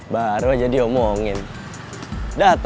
baru aja diomongin dateng orangnya